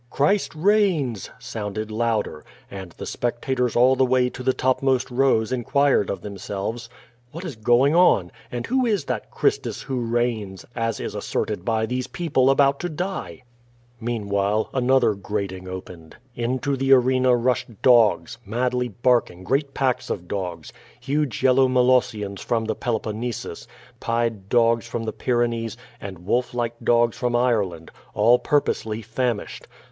"Christ reigns!" sounded louder, and the spectators all the way to the topmost rows inquired of themselves: *^What is going on, and who is that Christus who reigns, as is asserted by these people about to die?" I^Ieanwhile another grating opened. Into the arena rushed dogs, madly barking, great packs of dogs — ^liuge yellow Molos sions from the Peloponesus, pied dogs from the Pyrenee*^, and wolf like dogs from Ireland, all purposely famished.